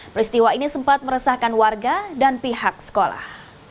peristiwa ini sempat meresahkan warga dan pihak sekolah